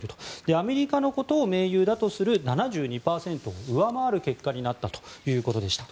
アメリカのことが盟友だとする７２％を上回る結果になったということでした。